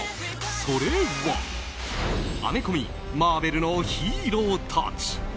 それは、アメコミマーベルのヒーローたち。